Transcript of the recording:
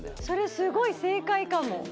それすごい正解かも。